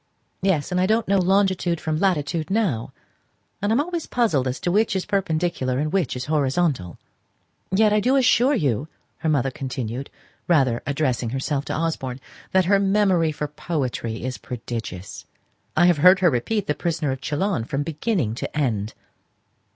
"Yes; and I don't know longitude from latitude now; and I'm always puzzled as to which is perpendicular and which is horizontal." "Yet, I do assure you," her mother continued, rather addressing herself to Osborne, "that her memory for poetry is prodigious. I have heard her repeat the 'Prisoner of Chillon' from beginning to end."